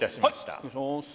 はい失礼します。